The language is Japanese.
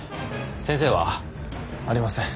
先生は？ありません。